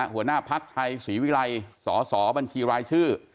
หัวหน้าภักดิ์ไทยศรีวิรัยสสบัญชีรายชื่อ